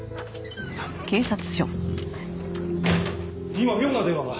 今妙な電話が。